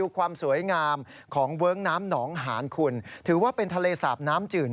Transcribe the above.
ควายว่ายน้ำ